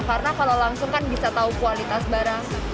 karena kalau langsung kan bisa tahu kualitas barang